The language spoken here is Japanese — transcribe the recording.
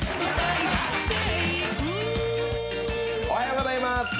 おはようございます。